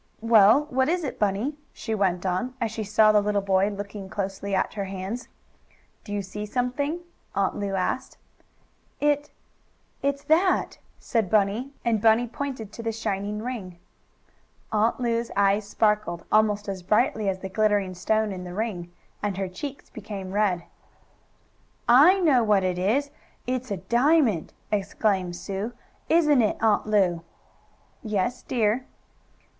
Well, what is it, Bunny?" she went on, as she saw the little boy looking closely at her hands. "Do you see something?" Aunt Lu asked. "It it's that," and Bunny pointed to the shining ring. Aunt Lu's eyes sparkled, almost as brightly as the glittering stone in the ring, and her cheeks became red. "I know what it is it's a diamond!" exclaimed Sue. "Isn't it, Aunt Lu?" "Yes, dear."